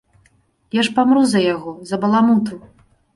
Я ж памру за яго, за баламуту.